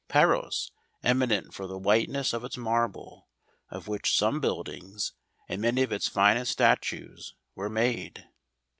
Paros, eminent for the whiteness of its marble, of which some buildings, and many of its finest statues, were made.